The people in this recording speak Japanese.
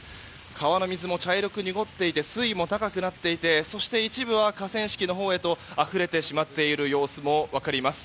川の水も茶色く濁っていて水位も高くなっていて一部は河川敷のほうへあふれてしまっている様子も分かります。